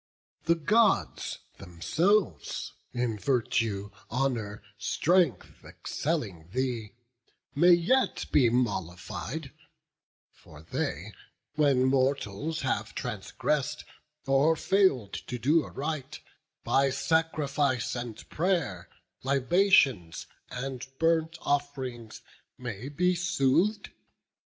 The Gods themselves, in virtue, honour, strength, Excelling thee, may yet be mollified; For they, when mortals have transgress'd, or fail'd To do aright, by sacrifice and pray'r, Libations and burnt off'rings, may be sooth'd.